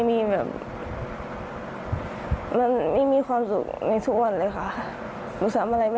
มีแบบมันไม่มีความสุขในทุกวันเลยค่ะ